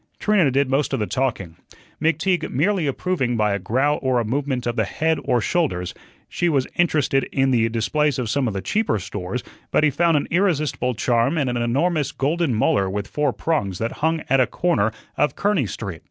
Trina did most of the talking. McTeague merely approving by a growl or a movement of the head or shoulders; she was interested in the displays of some of the cheaper stores, but he found an irresistible charm in an enormous golden molar with four prongs that hung at a corner of Kearney Street.